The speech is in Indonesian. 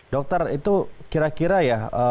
dokter itu kira kira ya